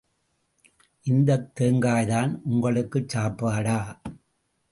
இந்தத் தேங்காய்தான் உங்களுக்குச் சாப்பாடா?